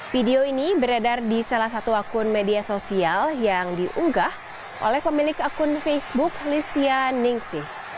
video ini beredar di salah satu akun media sosial yang diunggah oleh pemilik akun facebook listia ningsih